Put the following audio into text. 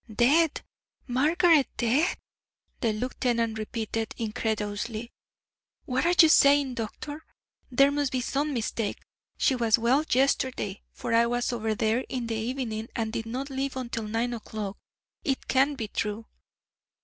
"Dead! Margaret dead!" the lieutenant repeated, incredulously. "What are you saying, doctor? There must be some mistake. She was well yesterday, for I was over there in the evening and did not leave until nine o'clock. It can't be true."